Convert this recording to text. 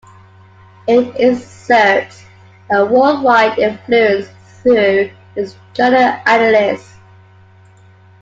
It exerts a worldwide influence through its Journal Annales.